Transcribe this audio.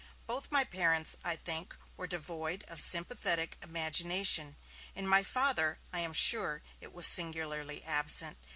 Both my parents, I think, were devoid of sympathetic imagination; in my Father, I am sure, it was singularly absent.